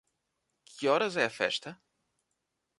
Que horas é a festa?